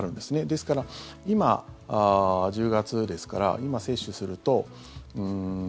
ですから今、１０月ですから今、接種すると。